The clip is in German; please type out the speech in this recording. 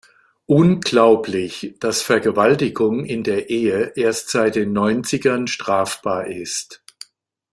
Unglaublich, dass Vergewaltigung in der Ehe erst seit den Neunzigern strafbar ist.